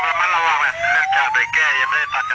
ผูกลงตรงอุ่น